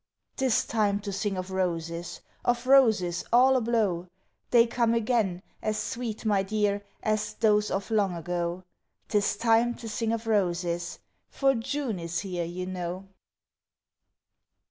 'Tis time to sing of roses! of roses all ablow! They come again, as sweet, my dear, as those of long ago. 'Tis time to sing of roses! for June is here you know.